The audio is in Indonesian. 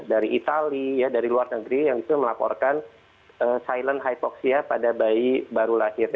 dari itali dari luar negeri yang disitu melaporkan silent hypoxia pada bayi baru lahir